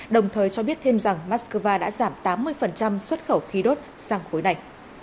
đồng thời cho biết thêm rằng moscow đã giảm tám mươi xuất khẩu khí đốt sang khối này